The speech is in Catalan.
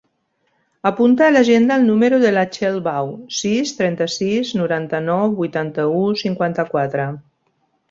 Apunta a l'agenda el número de la Txell Bau: sis, trenta-sis, noranta-nou, vuitanta-u, cinquanta-quatre.